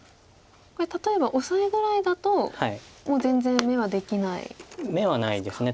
これ例えばオサエぐらいだともう全然眼はできないですか。